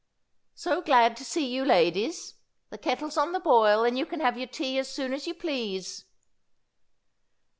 ' So glad to see you, ladies. The kettle's on the boil, and you can have your tea as soon as you please.'